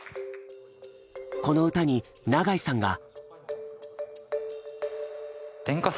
この歌に永井さんが。